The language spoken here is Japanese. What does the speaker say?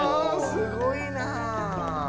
すごいな。